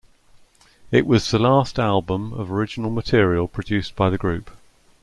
It was the last album of original material produced by the group.